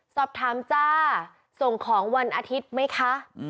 สอบถามจ้าส่งของวันอาทิตย์ไหมคะ